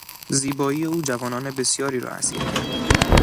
زیبایی او جوانان بسیاری را اسیر کرد.